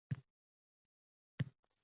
Russo hayotimga juda kuchli ta’sir ko’rsatdi.